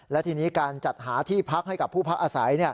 และทีนี้การจัดหาที่พักให้กับผู้พักอาศัย